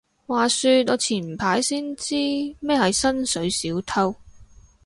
話說我前排先知咩係薪水小偷